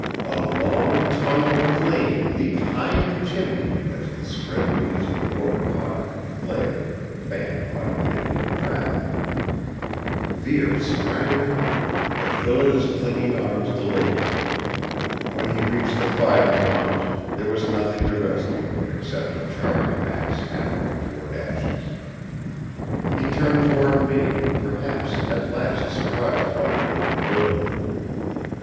A long tongue of flame leaped high in the chimney as the spread leaves of the book caught and flared, fanned by wind and draft. Vere sprang up, but Phillida's clinging arms delayed him. When he reached the fire tongs there was nothing to rescue except a charring mass half way toward ashes. He turned toward me, perhaps at last surprised by my immobility.